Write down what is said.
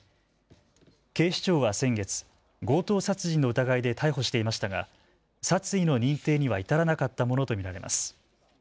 警視庁は先月、強盗殺人の疑いで逮捕していましたが殺意の認定には至らなかったものと見られます。